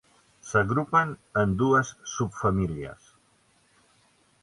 S'agrupen en dues subfamílies.